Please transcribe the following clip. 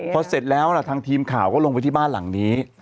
พอเสร็จแล้วทางทีมข่าวก็ลงไปที่บ้านหลังนี้